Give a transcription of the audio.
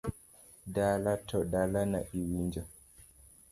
Dala to dalana iwinjo.